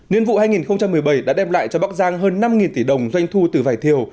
nhiên vụ hai nghìn một mươi bảy đã đem lại cho bắc giang hơn năm tỷ đồng doanh thu từ vải thiều